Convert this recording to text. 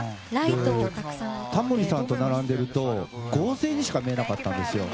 タモリさんと並んでると合成にしか見えなかったんです。